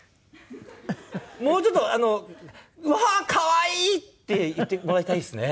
もうちょっと「うわあ可愛い！」って言ってもらいたいですね。